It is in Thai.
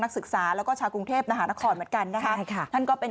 นักศึกษาแล้วก็ชาวกรุงเทพฯอาหารนครเหมือนกันนะคะท่านก็เป็น